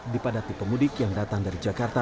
dipadati pemudik yang datang dari jakarta